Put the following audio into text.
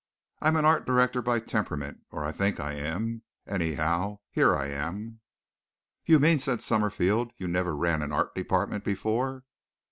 I'm an art director by temperament, or I think I am. Anyhow, here I am." "You mean," said Summerfield, "you never ran an art department before?"